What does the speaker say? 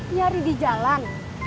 nyari di jalan